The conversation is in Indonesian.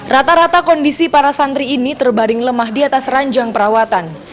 rata rata kondisi para santri ini terbaring lemah di atas ranjang perawatan